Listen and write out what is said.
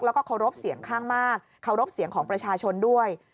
แล้วก็เคารพเสียงข้างมากเคารพเสียงของประชาชนด้วย